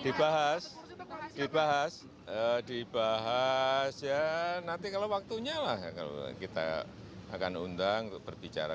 dibahas dibahas dibahas ya nanti kalau waktunya lah kita akan undang untuk berbicara